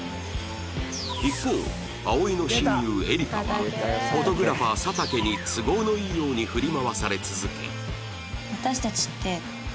一方葵の親友エリカはフォトグラファー佐竹に都合のいいように振り回され続け